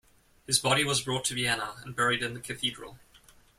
His body was brought to Vienna and buried in the cathedral.